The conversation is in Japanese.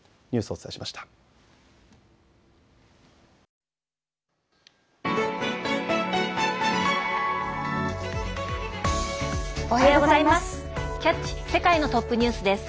おはようございます。